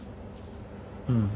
うん。